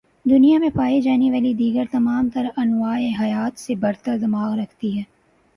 دنیا میں پائی جانے والی دیگر تمام تر انواع حیات سے برتر دماغ رکھتی ہے